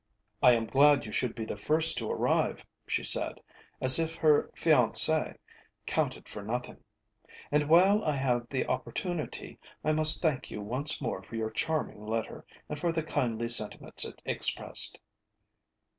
"I am glad you should be the first to arrive," she said, as if her fiancé counted for nothing, "and, while I have the opportunity, I must thank you once more for your charming letter, and for the kindly sentiments it expressed."